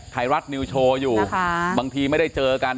ไทยรัฐนิวโชว์อยู่บางทีไม่ได้เจอกัน